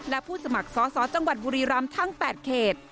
และผู้สมัครสอสอจังหวัดบุรีรำทั้ง๘เขต